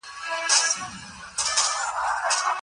خلګ بايد پر ځانونو ناوړه رواجونه لازم نه ګڼي.